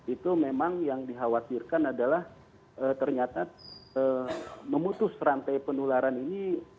itu memang yang dikhawatirkan adalah ternyata memutus rantai penularan ini